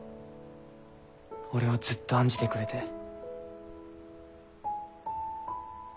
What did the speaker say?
俺をずっと案じてくれて。